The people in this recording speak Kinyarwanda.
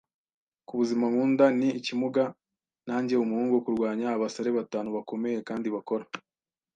kubuzima nkunda - ni ikimuga nanjye umuhungu - kurwanya abasare batanu bakomeye kandi bakora!